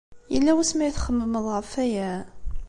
Yella wasmi ay txemmemeḍ ɣef waya?